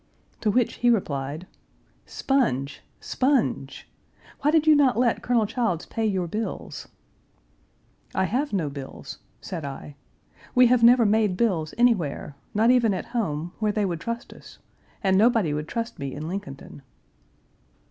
To which he replied, "Sponge, sponge. Why did you not let Colonel Childs pay your bills?" "I have no bills," said I. "We have never made bills anywhere, not even at home, where they would trust us, and nobody would trust me in Lincolnton."